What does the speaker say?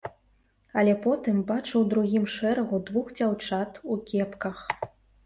Але потым бачу ў другім шэрагу двух дзяўчат у кепках.